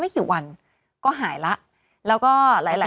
คุณผู้ชมขายังจริงท่านออกมาบอกว่า